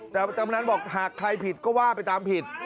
แต่กำนันบอกหากใครผิดก็ว่าไปตามผิด